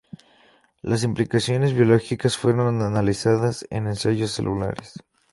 Las implicaciones biológicas fueron analizadas en ensayos celulares.